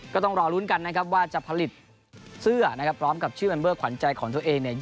ก็ต้องรอลุ้นกันนะครับว่าจะผลิตเสื้อนะครับพร้อมกับชื่อแมมเบอร์ขวัญใจของตัวเองเนี่ย